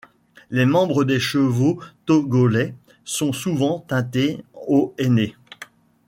Les membres des chevaux togolais sont souvent teintés au henné.